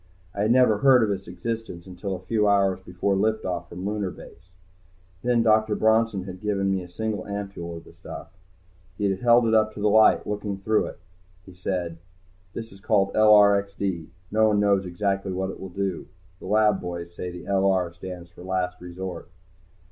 I had never heard of its existence until a few hours before lift off from Lunar Base. Then Dr. Bronson had given me a single ampule of the stuff. He had held it up to the light, looking through it. He said, "This is called LRXD. No one knows exactly what it will do. The lab boys say the 'LR' stands for Last Resort."